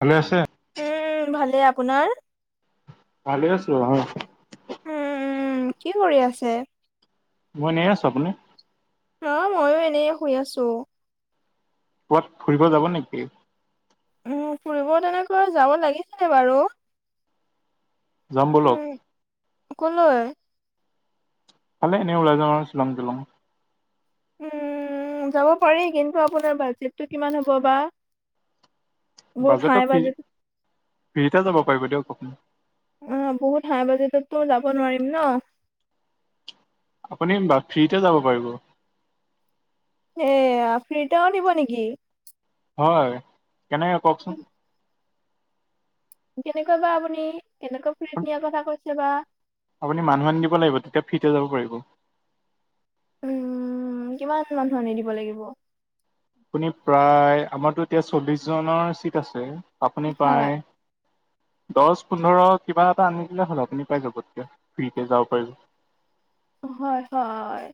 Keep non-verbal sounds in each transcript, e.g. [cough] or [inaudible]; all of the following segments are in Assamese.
ভালে আছে? উম', ভালে আপোনাৰ? ভালে আছো অ, উম', উম, কি কৰি আছে? মই এনেই আছো। আপুনি? অ', মইো এনে শুই আছো। পোৱাত ফুৰিব যাব নেকি? উম', ফুৰিব তেনেকৈ যাব লাগিছিলে বাৰু যাম বলক। উম, কলৈ? এইফালে এনেই উলাই যাও চিলং টিলং। উম', যাব পাৰি। কিন্তু আপোনাৰ বাজেটটো কিমান হ'ব বা বহুত হাই বাজেটটো ফ্ৰী বাজেট ফ্ৰীতে যাব পাৰিব দিয়ক অ', বহুত হাই বাজেততো যাব নোৱাৰিম ন। আপুনি বা ফ্ৰীতে যাব পাৰিব। এ', ফ্ৰিটেও নিব নেকি? হয়। কেনেকে কওকচোন? কেনেকুৱা বা আপুনি কেনেকৱৈ ফ্ৰিত নিয়াৰ কথা কৈছে বা আপুনি মানুহ আনি দিব লাগিব। তেতিয়া ফ্ৰিতে যাব পাৰিব। উম', কিমান মানুহ আনি দিব লাগিব। আপুনি প্ৰায় আমাৰতো এতিয়া চল্লিশ জনৰ চিট আছে। আপুনি হয়, প্ৰায় দহ পোন্ধৰ কিবা এটা আনি দিলে হ'ল আপুনি পাই যাব তেতিয়া ফ্ৰীকৈ যাব পাৰিব। হয়। হয়।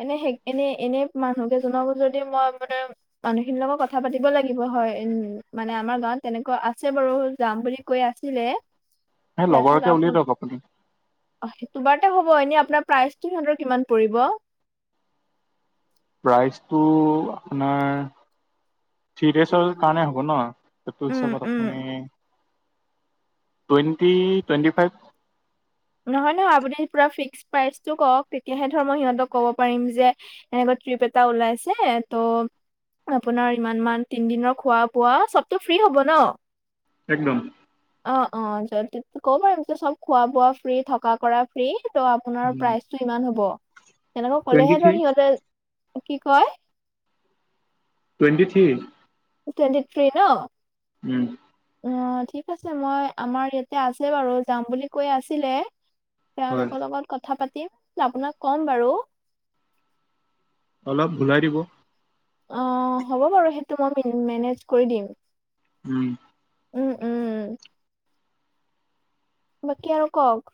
এনে স এনে এনে মানুহ কেইজনকো যদি মই মানে মানুহখিনিৰ লগত কথা পাতিব লাগিব হয়। উম', মানে আমাৰ গাঁৱত তেনেকুৱা আছে বাৰু যাম বুলি কৈ আছিলে। সেই তাৰ পিছত লগৰকে উলিয়াই আপোন, দিয়ক আপুনি তোমাৰ হব এনেই অপোনাৰ প্ৰাইচ? থ্ৰি হান্দ্ৰেত কিমান পৰিব। প্ৰাইচটো আপোনাৰ থ্ৰী ডেজৰ কাৰণে হ'ব ন, সেইটো উম হিচাপত উম আপুনি টুৱেণ্টি টুৱেণ্টি ফাইভ। নহয় নহয় আপুনি পুৰা ফিক্স প্ৰাইচটো কওক তেতিয়াহে ধৰ মই সিহঁতক ক'ব পাৰিম যে এহেটৰ ট্ৰিপ এটা ওলাইছে ত আপোনাৰ ইমান মান তিনদিনৰ খোৱা বোৱা চবতো ফ্ৰী হ'ব ন? একদম। অ অ য কব পাৰিম যে চব খোৱা বোৱা ফ্ৰী থকা কৰা ফ্ৰী ত আপোনাৰ প্ৰাইচটো ইমান হ'ব, তেনেকৈ টুৱেণ্টি কলেহে থ্ৰী ধৰ সিহঁতে কি কয় টুৱেটি থ্ৰী। টুৱেণ্টি থ্ৰী ন? উম। অ ঠিক আছে মই আমাৰ ইয়াতে আছে বাৰু, যাম বুলি কৈ আছিলে। হয় তেওঁলোকৰ লগত কথা পাতি আপোনাক ক'ম বাৰু। অলপ বুজাই দিব। অ হ'ব বাৰু সেইটো মই মেনেজ কৰি দিম। উম। উম উ। বাকী আৰু কওক,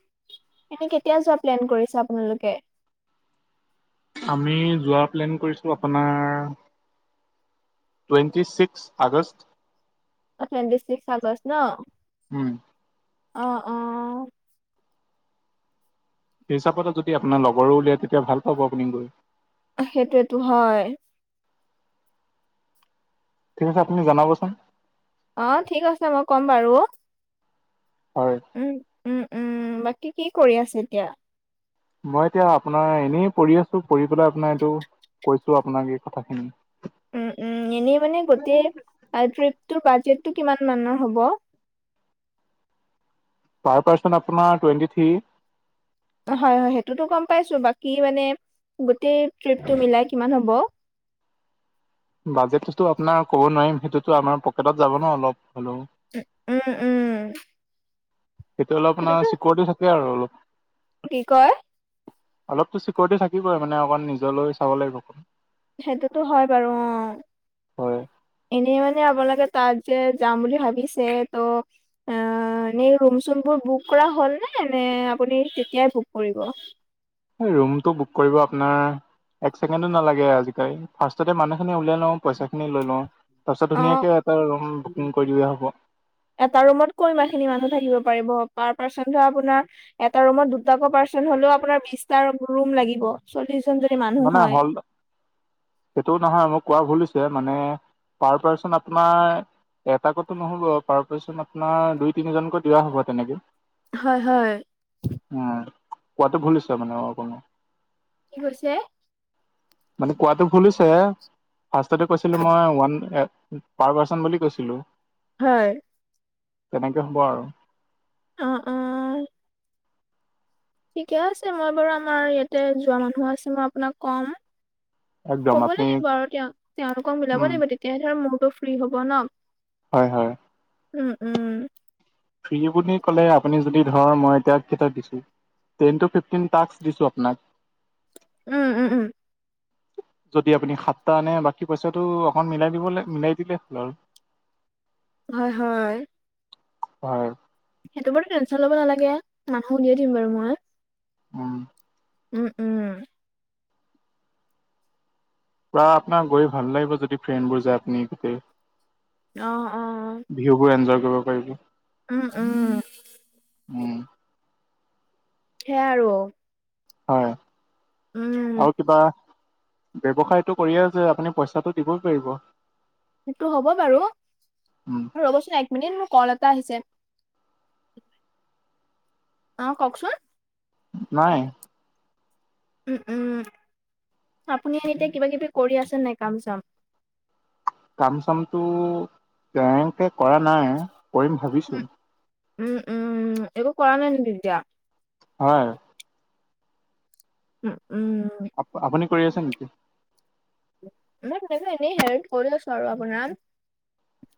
এনে কেতিয়া যোৱা প্লেন কৰিছে আপোনালোকে? আমি যোৱা প্লেন কৰিছো আপোনাৰ twenty six August. Twenty six August ন? উম। অ অ। সেই হিচাপতে যদি আপোনাৰ লগৰো উলিয়াই তেতিয়া ভাল পাব আপুনি গৈ। সেইটোয়েতো হয়। ঠিক আছে আপুনি জনাবচোন। অ ঠিক আছে মই ক'ম বাৰু। হয়। উম উম উম, বাকী কি কৰি আছে এতিয়া? মই এতিয়া আপোনাৰ এনেই পৰি আছোঁ, পৰি পেলাই আপোনাৰ এইটো কৈছোঁ আপোনাক এই কথাখিনি। উম উম এনেই মানে গোটেই ট্ৰিপটোৰ বাজেটটো কিমান মানৰ হ'ব? পাৰ পাৰ্চন আপোনাৰ টুৱেণ্টি থ্ৰী। হয় হয় সেইটোতো গম পাইছোঁ, বাকী মানে গোটেই ট্ৰিপটো মিলাই কিমান হ'ব? বাজেটোতো আপোনাৰ ক'ব নোৱাৰিম সেইটোতো আমাৰ পকেটত যাব ন অলপ হ'লেও। উম উম। সেইটো অলপমান সেইটোতো চিকৰিটি থাকে আৰু অলপ। কি কয়? অলপতো চিকৰিটি থাকিবই মানে অকণ নিজলৈ চাব লাগিব অকণ। সেইটোতো হয় বাৰু অ। হয় এনেই মানে আপোনালোকে তাত যে যাম বুলি ভাবিছে ত অ', এনেই ৰুম-চোমবোৰ বুক কৰা হ'লনে নে আপুনি তেতিয়াই বুক কৰিব? এই ৰুমটো বুক কৰিব আপোনাৰ এক ছেকেণ্ডো নালাগে আজিকালি। ফাৰ্ষ্টতে মানুহখিনি উলিয়াই লওঁ, পইচাখিনি লৈ লওঁ। তাৰপিছত অ', ধুনীয়াকে এটা ৰুম বুকিং কৰি দিলে হ'ব। এটা ৰুমত ক'ৰ ইমান খিনি মানুহ থাকিব পাৰিব? পাৰ পাৰ্চন ধৰা আপোনাৰ এটা ৰুমত দুটাকৈ পাৰ্চন হ'লেও আপোনাৰ বিশটা ৰু-ৰুম লাগিব। চল্লিছজন যদি মান মানে হল, সেইটোও নহয় মোক কোৱা ভুল হৈছে মানে পাৰ পাৰ্চন আপোনাৰ এটাকেকতো নহ'ব। পাৰ পাৰ্চন আপোনাৰ দুই-তিনিজনকৈ দিয়া হ'ব তেনেকে। হয়, হয়। উম, কোৱাটো ভুল হৈছে মানে অকমান। কি কৈছে? মানে কোৱাটো ভুল হৈছে। ফাৰ্ষ্টতে কৈছিলোঁ মই ওৱান এ পাৰ পাৰ্চন বুলি কৈছিলোঁ। হয়। তেনেকে হ'ব আৰু। অ', অ'। ঠিকে আছে। মই বাৰু আমাৰ ইয়াতে যোৱা মানুহ আছে মই আপোনাক কম। একদম ক'ব আপুনি লাগিব আৰু দিয়ক। তেওঁলোকক মিলাব উম লাগিব তেতিয়া ধৰ মোৰতো ফ্ৰী হ'ব ন? হয়, হয়। উম, উম। ফ্ৰী বুলি ক'লে আপুনি যদি ধৰ মই এতিয়া কেইটাক দিছো টেন টু ফিফটিন টাস্ক দিছো আপোনাক। উম, উম, উম। যদি আপুনি সাতটা আনে বাকী পইচাটো অকন মিলাই দিব লা-মিলাই দিলে হ'ল আৰু। হয়, হয়। বাৰু। হেইটো বাৰু টেনচন ল'ব নালাগে। মানুহ উলিয়াই দিম বাৰু মই। উম। উম, উম। পুৰা আপোনাৰ গৈ ভাল লাগিব যদি ফ্ৰেণ্ডবোৰ যায় আপুনি গোটেই। অ', অ', অ'। ভিউবোৰ এনজয় কৰিব পাৰিব। উম, উম। উম। সেয়াই আৰু হয় উম। আৰু কিবা, ব্যৱসায়টো কৰিয়ে আছে আপুনি পইচাটো দিবই পাৰিব? সেইটো হ'ব বাৰু। অ', উম ৰ'বচোন একমিনিট মোৰ কল এটা আহিছে। অ', কওঁকচোন। নাই। উম, উম, আপুনি এতিয়া কিবা-কিবি কৰি আছে নে নাই কাম-চাম? কাম-চামটো তেনেকে কৰা নাই, কৰিম ভাবিছো। উম, উম, একো কৰা নাই নেকি এতিয়া? হয়। উমঁ' উমঁ'। আপুনি কৰি আছে নেকি? মই এনেই হেল্প কৰি আছো আৰু আপোনাৰ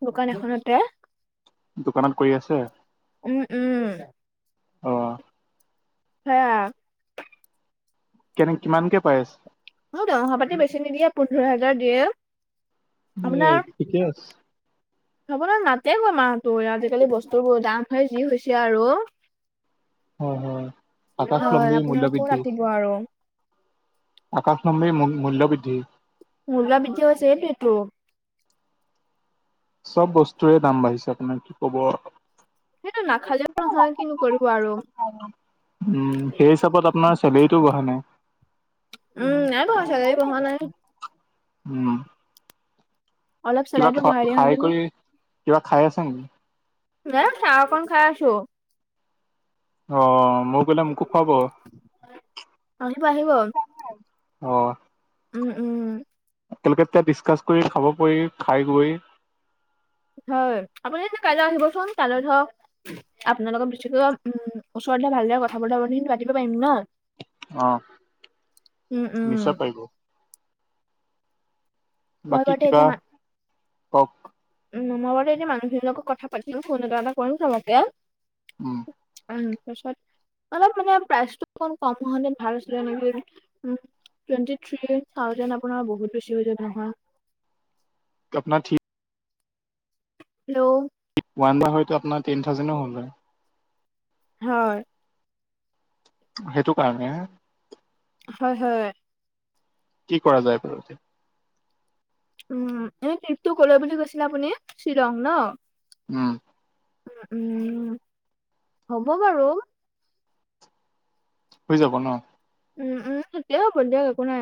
দোকান এখনতে। দোকানত কৰি আছে? উমঁ' উমঁ'। অ সেই‌য়া। কেনে কিমানকৈ পাই আছে? মোৰ দৰমহা পাতি বেছি নিদিয়ে পোন্ধৰ হাজাৰ দিয়ে। এ আপোনাৰ ঠিকে আছে [unintelligible] আপোনাৰ নাতে গৈ মাহতো আজিকালি বস্তু বোৰ দাম হে যি হৈছে আৰু। হয় হয়। হয়, আকাশলম্বী আপোনালোকো মূল্যবৃদ্ধি ৰাতি [inaudible] আৰু। আকাশলন্বী মূল্যবৃদ্ধি। মূল্যবিদ্ধি হৈছে সেইটোৱেইটো। চ'ব বস্তুৰে দাম বাঢ়িছে আপোনাৰ কি ক'ব। সেইটোৱে, নাখালেওঁ নহয় কিনো কৰিব আৰু। উম সেই হিচাপত আপোনাৰ চেলেৰীটো বঢ়া উম, নাই বঢ়া নাই। চেলাৰী বঢ়া নাই। উমঁ'। অলপ কিবা চেলাৰীটো বঢ়াই দিয়া খ-খাই হেতেনো। কৰি, কিবা খাই আছা নেকি? নাই চাহ অকণ খাই আছোঁ। অঁ' মই গ'লে মোকো খুৱাব? আহিব আহিব। অঁ। উমঁ' উমঁ। একেলগে তেয়া ডিচকাচ কৰি খাব পৰি খাই গৈ হয়। আপুনি এনে কাইলৈ আহিবচোন, কাইলৈ ধৰ আপোনা লগত বেছিকৈ উমঁ' ওচৰত হে ভালদৰে কথা বতৰা খিনি পাতিব পাৰিম ন। উম, অহ' উম। নিশ্চয় পাৰিব। বাকী [unintelligible] কিবা এতিয়া মা কওক? উমঁ' মই বাৰু এতিয়া মানুহখিনিৰ লগত কথা পাতিম ফোন এটা এটা কৰিম চবকে। উমঁ'। উমঁ' তাৰপাছত অলপ মানে প্ৰাইচটো অকন কম হ'লে ভাল আছিলে নেকি, উমঁ'। টুৱেণ্টি থ্ৰী থাউজেণ্ড আপোনাৰ বহুত বেছি হৈ যাব নহয়। আপোনাৰ থ্ৰি হেল্ল'। ওৱান বা হয়তো আপোনাৰ টেন থাউজেণ্ডনো হ'ল হয়। হয়। সেইটো কাৰণে হয় হয়। কি কৰা যায় বাৰু এতিয়া। উমঁ' এনেই ট্ৰিপটো ক'লৈ বুলি কৈছিলে আপুনি শ্বিলং ন'। উমঁ'। উমঁ' উমঁ' হ'ব বাৰু। হৈ যাব ন? উমঁ' উমঁ' ঠিকেই হ'ব দিয়ক একো নাই।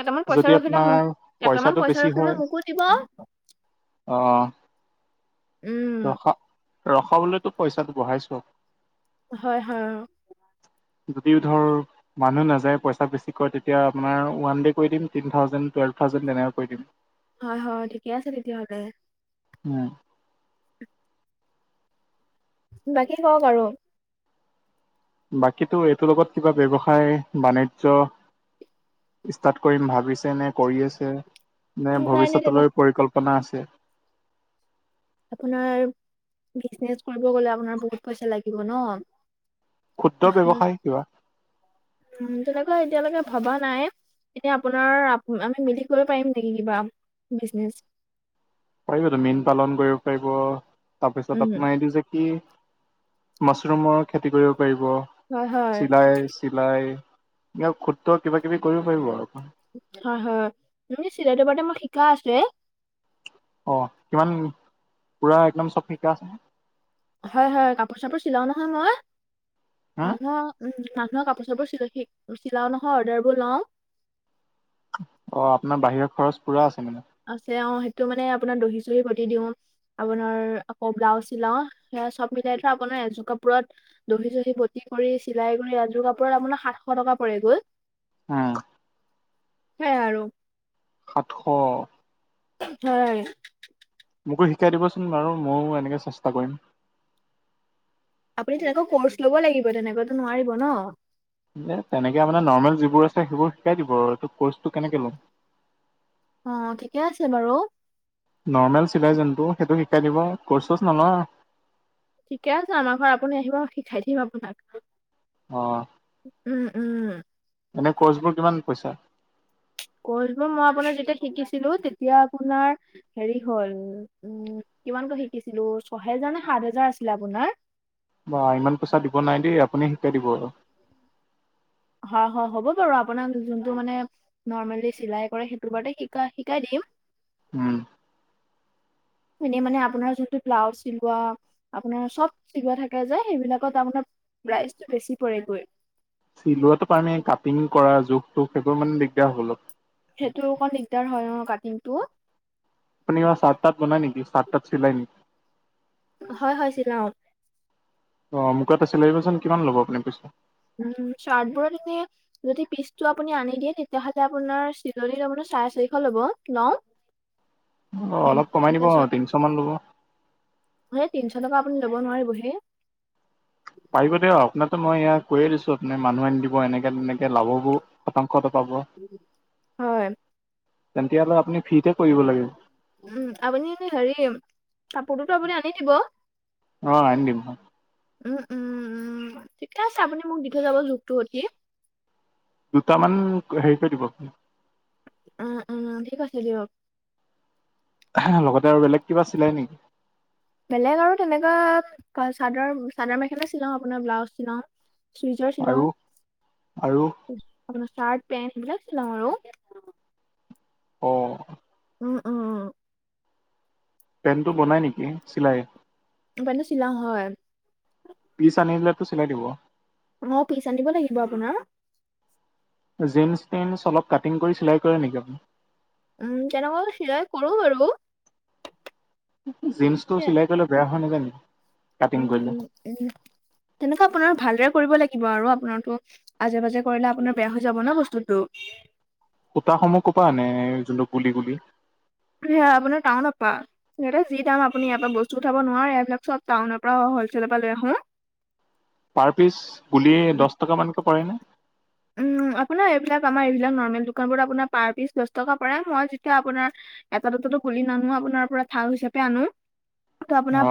কেইটামান পইচা যদি ৰখিলে আপোনাৰ মোক, কেইটামান পইচাটো পইচা বেছি ৰখিলে মোকো দিব। অঁ। উম, ৰখা ৰখাবলৈতো পইচা বঢ়াইছো। হয়-হয়। যদিও ধৰ মানুহ নাযায় পইচা বেছি কয় তেতিয়া আপোনাৰ ওৱান ডে কৰি দিম, টেন থাউজেণ্ড, টুৱেলভ থাউজেণ্ড তেনেকৈ কৰি দিম। হয়-হয়, ঠিকে আছে তেতিয়াহ'লে। উম! বাকী কওক আৰু? বাকীতো এইটোৰ লগত কিবা ব্যৱসায়, বাণিজ্য ষ্টাৰ্ট কৰিম ভাবিছে নে, কৰি আছে নে নাই, নাই তেনে ভৱিষ্যতলৈ পৰিকল্পনা আছে? আপোনাৰ বিজনেছ কৰিব গ'লে আপোনাৰ বহুত পইচা লাগিব ন। ক্ষুদ্ৰ ব্যৱসায় কিবা? উম! তেনেকুৱা এতিয়ালৈকে ভবা নাই। এনেই আপোনাৰ আমি মিলি কৰিব পাৰিম নেকি কিবা বিজনেছ? পাৰিবটো মীন পালন কৰিব পাৰিব তাৰপিছত উম, আপোনাৰ এইটো যে কি মচৰুমৰ খেতি কৰিব পাৰিব, হয়, হয়। চিলাই চিলাই এনে ক্ষুদ্ৰ কিবা-কিবি কৰিব পাৰিব আৰু। হয়-হয়। [unintelligible] চিলাইটো বাৰু মই শিকা আছে। অঁ! কিমান পুৰা একদম চব শিকা আছে নে? হয়-হয়, কাপোৰ-চাপোৰ চিলাও নহয় মই হা মানুহৰ। উম! মানুহৰ কাপোৰ-চাপোৰ চি-চিলাও নহয় অৰ্ডাৰবোৰ লওঁ। অ! আপোনাৰ বাহিৰা খৰচ পুৰা আছে মানে। আছে অঁ সেইটো মানে আপোনাৰ দহি-চহি বতি দিওঁ। আপোনাৰ আকৌ ব্লাউজ চিলাও সেয়া চব মিলাই থৈ আপোনাৰ এযোৰ কাপোৰত দহি-চহি বটি কৰি, চিলাই কৰি এযোৰ কাপোৰত আপোনাৰ সাতশ টকা পৰে গৈ। উম। সেয়া আৰু। সাতশ? হয়। মোকো শিকাই দিব চোন বাৰু ময়ো এনেকে চেষ্টা কৰিম। আপুনি তেনেকুৱা কৰ্চ ল'ব লাগিব তেনেকৈটো নোৱাৰিব ন। যে তেনেকে মানে নৰ্মেল যিবোৰ আছে সেইবোৰ শিকাই দিব আৰু এইটো কৰ্চটো কেনেকে লম। অঁ! ঠিকে আছে বাৰু। নৰ্মেল চিলাই যোনটো সেইটো শিকাই দিব ক'ৰ্চ-চ'ৰ্চ নল‌ওঁ। ঠিকে আছে আমাৰ ঘৰত আপুনি আহিব শিকাই দিম আপোনাক। অ উম-উম! এনেই কৰ্চবোৰ কিমান পইছা? ক'ৰ্চবোৰ মই আপোনাৰ যেতিয়া শিকিছিলোঁ তেতিয়া আপোনাৰ হেৰি হ'ল উম! কিমানকৈ শিকিছিলোঁ ছয় হেজাৰ নে সাত হেজাৰ আছিলে আপোনাৰ। বা ইমান পইচা দিব নাই দেই আপুনি শিকাই দিব আৰু। হয়-হয় হ'ব বাৰু আপোনাক যোনটো মানে নৰ্মেলি চিলাই কৰে সেইটো বাৰু শি-শিকাই দিম। উম। এনেই মানে আপোনাৰ যোনটো ব্লাউজ চিলোৱা, আপোনাৰ চব চিলোৱা থাকে যে সেইবিলাকত আপোনাৰ প্ৰাইচটো বেছি পৰে গৈ। চিলোৱাটো পাৰানে? কাটিং কৰা জোখটো সেইবোৰ মানে দিগদাৰ হ'ল। সেইটো অকণ দিগদাৰ হয় অ কাটিংটোৰ। আপুনি চাৰ্ট-টাৰ্ট বনাই নেকি? চাৰ্ট-টাৰ্ট চিলাই নেকি? হয় হয় চিলাও। অ' মোকো এটা চিলাই দিবচোন, কিমান লব আপুনি পইচা? উম চাৰ্টবোৰত এনে যদি পিচটো আপুনি আনি দিয়ে, তেতিয়াহ'লে আপোনাৰ চিলনী ল'ব ন চাৰে চাৰিশ ল'ব লম। অ' অলপ কমাই দিব আও তিনিশমান ল'ব। সেই তিনিশ টকা আপুনি ল'ব নোৱাৰিবহে। পাৰিব দিয়ক, আপোনাৰটো মই ইয়া কৈয়ে দিছো আপুনি মানুহ আনি দিব এনেকে তেনেকে [unintelligible] শতাংশটো পাৱ। হয়। তেতিয়ালে হ'লে আপুনি ফ্ৰিতে কৰিব লাগে। উম, আপুনি এ হেৰি কাপোৰটোতো আপুনি আনি দিব। অঁ, আনি দিম। উম উম উম, ঠিকে আছে আপুনি মোক দি থৈ যাব জোখটো সতি। দুটামান হেৰি কৰি দিব। উম উম, ঠিক আছে দিয়ক। [unintelligible] লগতে আৰু বেলেগ কিবা চিলাই নেকি? বেলেগ আৰু তেনেকুৱা চাদৰ চাদৰ-মেখেলা চিলাও, আপোনাৰ ব্লাউজ চিলাওঁ। চুইজাৰ আৰু চিলাও আৰু আপোনাৰ চাৰ্ট-পেন্ট এইবিলাক চিলাও আৰু। অ'। উম, উম। পেণ্টটো বনাই নেকি, চিলাই? পেণ্টটো চিলাওঁ হয়। পিচ আনিলেতো চিলাই দিব? অ' পিচ আনিব লাগিব আপোনাৰ। জিন্স পেণ্ট অলপ কাটিং কৰি চিলাই কৰে নেকি আপুনি? উম, তেনেকুৱাও চিলাই কৰো বাৰু। জীন্সটো চিলাই কৰিলে বেয়া হয় নেযায় জানো? উম, তেনেকুৱা আপোনাৰ ভালদৰে কৰিব লাগিব আৰু আপোনাৰটো আজে বাজে কৰিলে আপোনাৰ বেয়া হৈ যাব ন বস্তুটো। সূতা সমূহ ক'ৰপা আনে যোনটো গুলি গুলি? সেইয়া আপোনাৰ টাউনৰ পৰা। ইয়াতে যি দাম আপুনি ইয়াৰ পৰা বস্তু উঠাব নোৱাৰে, এইবিলাক চব টাউনৰ পৰা হলচেলৰ পৰা লৈ আহো। পাৰ পিচ গুলি দহ টকা মানকে পৰেনে? উম, আপোনাৰ এইবিলাক আমাৰ এইবিলাক নৰ্মেল দোকানবোৰত আপোনাৰ পাৰ পিচ দহ টকা পৰে। মই যেতিয়া আপোনাৰ এটা দুটাতো গুলি নানো আপোনাৰ পৰা থাক হিচাপে আনো। ত' আপোনাৰ